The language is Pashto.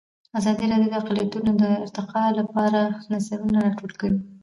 ازادي راډیو د اقلیتونه د ارتقا لپاره نظرونه راټول کړي.